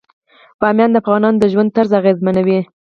بامیان د افغانانو د ژوند طرز اغېزمنوي.